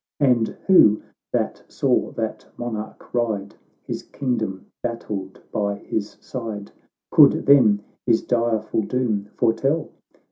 And who, that saw that monarch ride, His kingdom battled by his side, Could then his direful doom foretell